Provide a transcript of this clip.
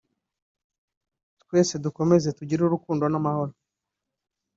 twese dukomeze tugire urukundo n’amahoro